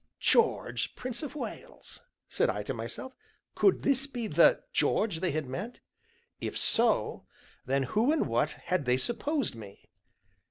"George, Prince of Wales!" said I to myself; "could this be the 'George' they had meant? If so, then who and what had they supposed me?"